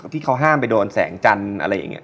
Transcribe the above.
ที่เขาห้ามไปโดนแสงจันทร์อะไรอย่างนี้